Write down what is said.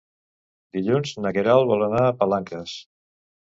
Dilluns na Queralt vol anar a Palanques.